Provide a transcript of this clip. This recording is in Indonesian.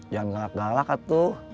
jangan galak galak itu